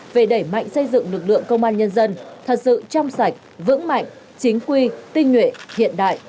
về đẩy mạnh xây dựng lực lượng công an nhân dân thật sự trong sạch vững mạnh chính quy tinh nguyện hiện đại